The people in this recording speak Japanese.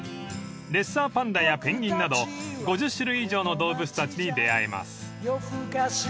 ［レッサーパンダやペンギンなど５０種類以上の動物たちに出合えます］